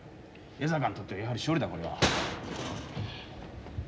江坂にとってはやはり勝利だこれは。